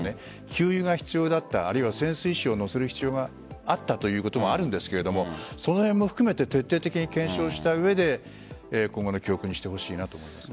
給油が必要だったあるいは潜水士を乗せる必要があったということもあるんですがその辺も含めて徹底的に検証した上で今後の教訓にしてほしいと思います。